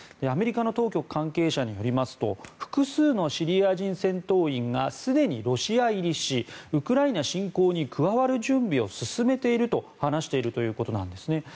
アメリカの当局関係者によりますと複数のシリア人戦闘員がすでにロシア入りしウクライナ侵攻に加わる準備を進めていると話しているということです。